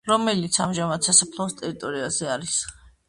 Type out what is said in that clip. რომელიც ამჟამად სასაფლაოს ტერიტორიაზე არის.